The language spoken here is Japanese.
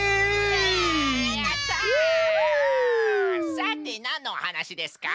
さてなんのおはなしですか？